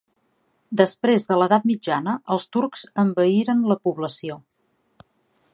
Després de l'edat mitjana els turcs envaïren la població.